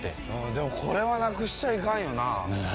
でも、これはなくしちゃいかんよな。